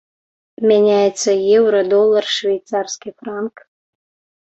Мяняецца еўра, долар, швейцарскі франк.